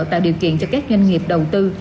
tạo điều kiện cho các doanh nghiệp đầu tư